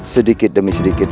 sedikit demi sedikit